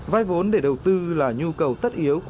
vay vốn để đầu tư là nhu cầu tất yếu